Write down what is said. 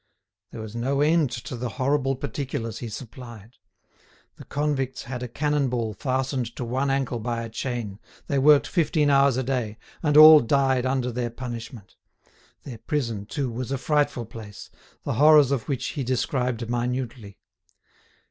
There was no end to the horrible particulars he supplied: the convicts had a cannonball fastened to one ankle by a chain, they worked fifteen hours a day, and all died under their punishment; their prison, too, was a frightful place, the horrors of which he described minutely.